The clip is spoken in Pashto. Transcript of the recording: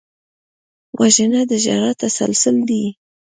وژنه د ژړا تسلسل دی